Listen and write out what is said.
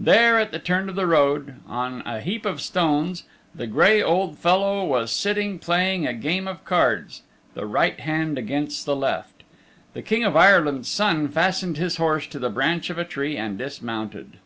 There at the turn of the road, on a heap of stones, the gray old fellow was sitting playing a game of cards, the right hand against the left. The King of Ireland's Son fastened his horse to the branch of a tree and dismounted.